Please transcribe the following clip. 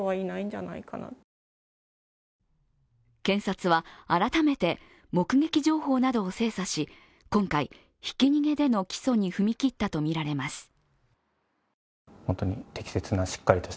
検察は改めて目撃情報などを精査し今回、ひき逃げでの起訴に踏み切ったとみられます。